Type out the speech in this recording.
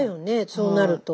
そうなると。